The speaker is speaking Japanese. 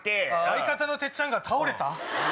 相方のてっちゃんが倒れた？